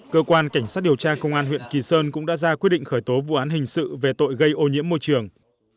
cơ quan cảnh sát điều tra công an huyện kỳ sơn cũng đã ra quyết định khởi tố vụ án hình sự về tội gây ô nhiễm môi trường